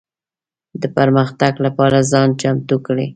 د پرمختګ لپاره ځان چمتو کړي.